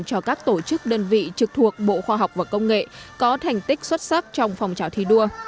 cho các tổ chức đơn vị trực thuộc bộ khoa học và công nghệ có thành tích xuất sắc trong phòng trào thi đua